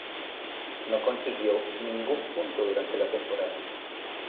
No consiguió ningún punto durante la temporada.